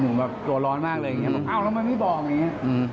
หนูแบบโกรธร้อนมากเลยบอกว่าอ้าวแล้วมันไม่บอกอย่างนี้